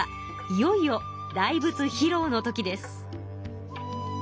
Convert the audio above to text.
いよいよ大仏ひろうの時です。